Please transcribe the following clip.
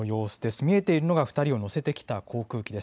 見えているのが２人を乗せてきた航空機です。